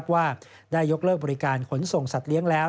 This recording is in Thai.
ว่าได้ยกเลิกบริการขนส่งสัตว์เลี้ยงแล้ว